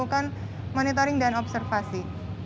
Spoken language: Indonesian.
lakukan monitoring dan observasi